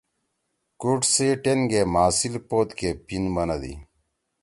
کُوٹ سی ٹِن گے ماسیِل پوت کے پیِن بنَدی۔